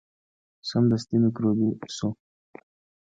سمدستي میکروبي شو.